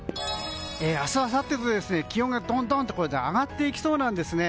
明日、あさってと気温がどんどんと上がっていきそうなんですね。